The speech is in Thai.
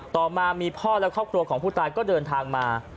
ต่อมามีพ่อและครอบครัวของผู้ตายก็เดินทางมา